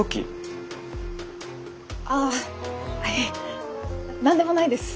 あいえ何でもないです。